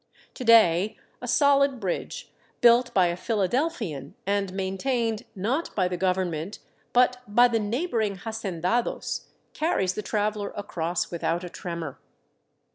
To day a solid bridge, built by a Phila delphian and maintained, not by the government, but by the neigh boring hacendados, carries the traveler across without a tremor.